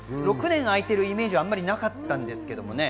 ６年あいているイメージはなかったですけどね。